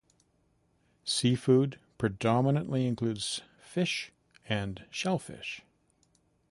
Seafood prominently includes fish and shellfish.